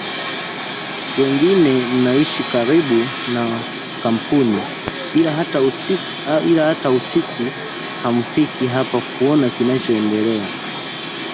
Wengine mnaishi karibu na kampuni ila hata usiku hamfiki hapa kuona kinachoendea